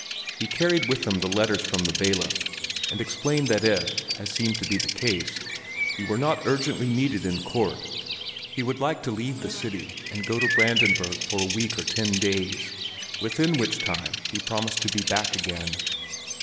He carried with him the letters from the bailiff, and explained that if, as seemed to be the case, he were not urgently needed in court, he would like to leave the city and go to Brandenburg for a week or ten days, within which time he promised to be back again.